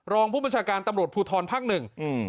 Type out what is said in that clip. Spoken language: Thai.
รองผู้บัญชาการตำรวจภูทรภาคหนึ่งอืม